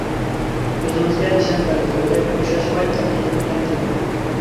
ئۆزىڭىزگە نىشان بەلگىلىۋېلىپ، بوشاشماي قەتئىيلىك بىلەن قىلىڭ.